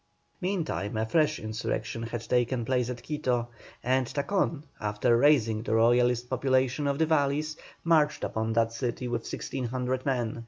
Meantime a fresh insurrection had taken place at Quito, and Tacon, after raising the Royalist population of the valleys, marched upon that city with 600 men.